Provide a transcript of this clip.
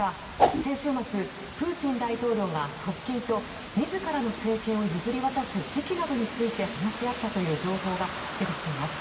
先週末、プーチン大統領が側近と自らの政権を譲り渡す時期などについて話し合ったという情報が出てきています。